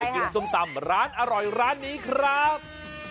กินส้มตำร้านอร่อยร้านนี้ครับ